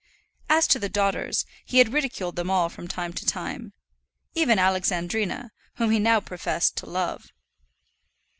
As to the daughters, he had ridiculed them all from time to time even Alexandrina, whom he now professed to love.